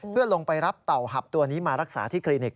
เพื่อลงไปรับเต่าหับตัวนี้มารักษาที่คลินิก